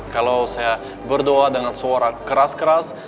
kalau saya berdoa dengan suara keras keras